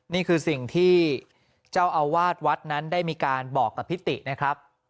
นี่คือสิ่งที่เจ้าอาวาสวัดนั้นได้มีการบอกกับพิตินะครับ